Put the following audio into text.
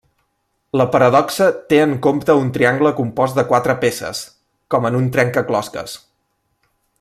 La paradoxa té en compte un triangle compost de quatre peces, com en un trencaclosques.